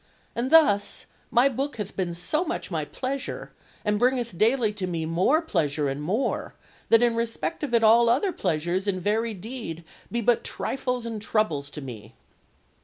And thus my book hath been so much my pleasure, and bringeth daily to me more pleasure and more, that in respect of it all other pleasures in very deed be but trifles and troubles to me."